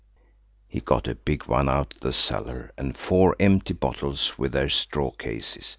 He got a big one out of the cellar and four empty bottles with their straw cases.